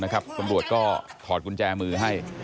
ตำรวจก็ถอดกุญแจมือให้